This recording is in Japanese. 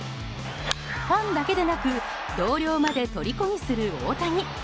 ファンだけでなく同僚までとりこにする大谷。